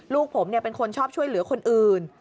ลูกผมเป็นคนชอบช่วยเหลือคนอื่น